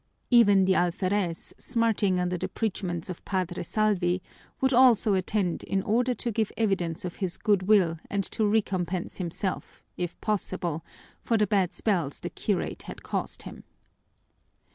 Even the alferez, smarting under the preachments of Padre Salvi, would also attend in order to give evidence of his good will and to recompense himself, if possible, for the bad spells the curate had caused him.